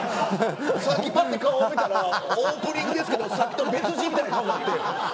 さっきパッて顔を見たらオープニングですけどさっきと別人みたいな顔なって。